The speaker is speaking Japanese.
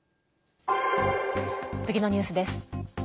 次のニュースです。